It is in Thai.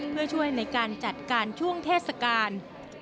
เพื่อช่วยในการจัดการช่วงเทศกาล